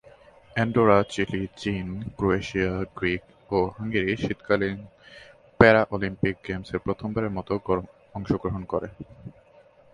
Andorra, Chile, চীন, Croatia, Greek ও Hungary শীতকালীন প্যারালিম্পিক গেমসে প্রথমবারের মত অংশগ্রহণ করে।